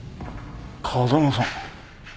風間さん。